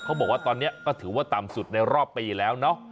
บอกว่าตอนนี้ก็ถือว่าต่ำสุดในรอบปีแล้วเนอะ